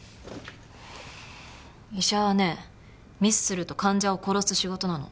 医者はねミスすると患者を殺す仕事なの。